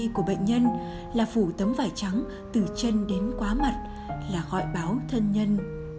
của bệnh nhân là phủ tấm vải trắng từ chân đến quá mặt là gọi báo thân nhân